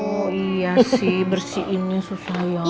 oh iya sih bersih ini su sayang